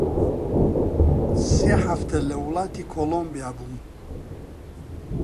سێ حەفتە لە وڵاتی کۆڵۆمبیا بووم